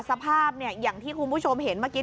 สภาพอย่างที่คุณผู้ชมเห็นเมื่อกี้